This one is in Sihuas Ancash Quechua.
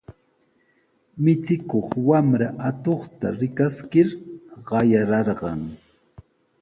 Michikuq wamra atuqta rikaskir qayararqan.